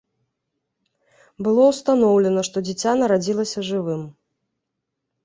Было ўстаноўлена, што дзіця нарадзілася жывым.